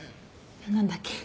何だっけ？